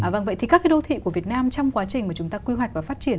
vậy thì các cái đô thị của việt nam trong quá trình mà chúng ta quy hoạch và phát triển